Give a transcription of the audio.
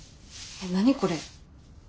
えっ何これ。